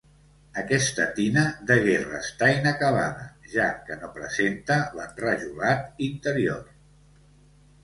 Aquesta tina degué restar inacabada, ja que no presenta l'enrajolat interior.